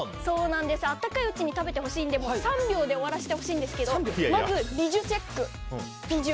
温かいうちに食べてほしいので３秒で終わらせてほしいんですけどまず、ビジュチェック。